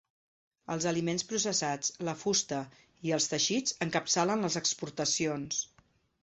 Els aliments processats, la fusta i els teixits encapçalen les exportacions.